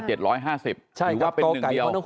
หรือว่าเป็นหนึ่งเดียว